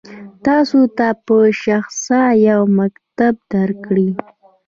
تاسو ته به شخصا یو مکتوب درکړي.